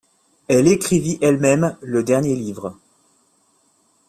Elle écrivit elle-même le dernier livre.